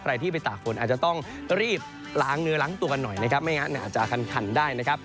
ใครที่ไปตากฝนอาจจะต้องรีบล้างเนื้อล้างตัวกันหน่อยนะครับไม่งั้นอาจจะคันได้นะครับ